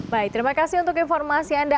baik terima kasih untuk informasi anda